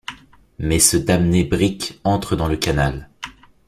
Mais ce damné brick entre dans le canal